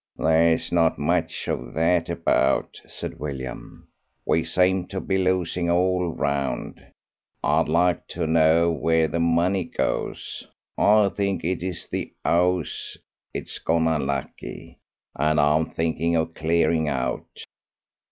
"There's not much of that about," said William. "We seem to be losing all round. I'd like to know where the money goes. I think it is the 'ouse; it's gone unlucky, and I'm thinking of clearing out."